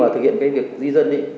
thực hiện cái việc duy dân